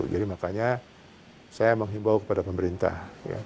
jadi makanya saya menghimbau kepada pemerintah